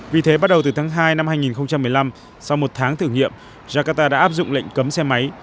vì thế bắt đầu từ tháng hai năm hai nghìn một mươi năm sau một tháng thử nghiệm jakarta đã áp dụng lệnh cấm xe máy